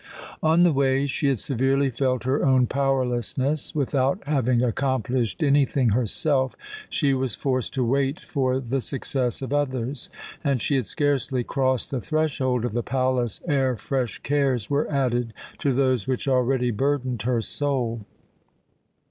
On the way she had severely felt her own powerlessness. Without having accomplished anything herself, she was forced to wait for the success of others; and she had scarcely crossed the threshold of the palace ere fresh cares were added to those which already burdened her soul.